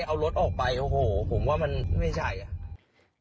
เอารถออกไปโอ้โหผมว่ามันไม่ใช่อ่ะ